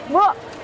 bu udah bu